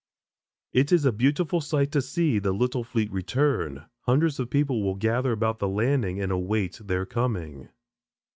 It is a beautiful sight to see the little fleet return. Hundreds of people will gather about the landing and await their coming.